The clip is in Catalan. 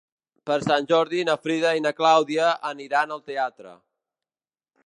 Per Sant Jordi na Frida i na Clàudia aniran al teatre.